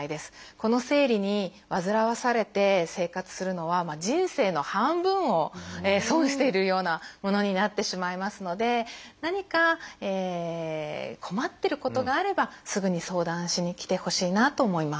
この生理にわずらわされて生活するのは人生の半分を損しているようなものになってしまいますので何か困っていることがあればすぐに相談しに来てほしいなと思います。